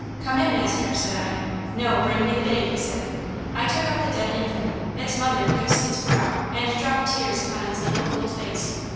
"'Come in, master,' said I. "'No, bring me the babe,' he said. "I took up the dead infant. Its mother kissed its brow and dropped tears upon its little cold face.